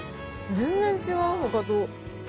全然違う、ほかと。